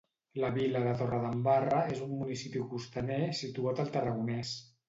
La vila de Torredembarra és un municipi costaner situat al Tarragonès.